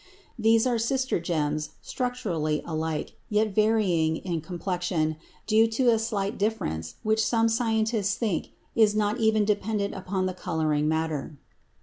These are sister gems, structurally alike, yet varying in complexion, due to a slight difference which some scientists think is not even dependent upon the coloring matter.